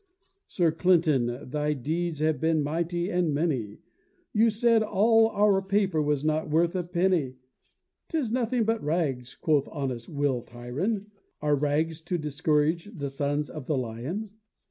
Sir Clinton, thy deeds have been mighty and many! You said all our paper was not worth a penny: ('Tis nothing but rags, quoth honest Will Tryon: Are rags to discourage the sons of the lion?)